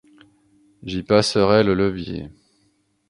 J’y passerai le levier.